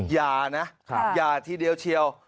อย่านะอย่าทีเดียวเชียว